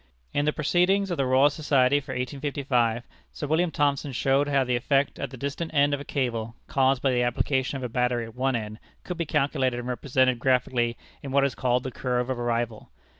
In the Proceedings of the Royal Society for 1855, Sir William Thomson showed how the effect at the distant end of a cable, caused by the application of a battery at one end, could be calculated and represented graphically in what is called the "curve of arrival."